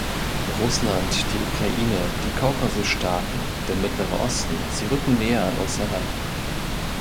Russland, die Ukraine, die Kaukasus-Staaten, der Mittlere Osten sie rücken näher an uns heran.